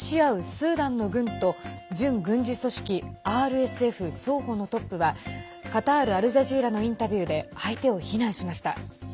スーダンの軍と準軍事組織ＲＳＦ双方のトップはカタール・アルジャジーラのインタビューで相手を非難しました。